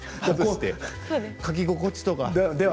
書き心地とかでは？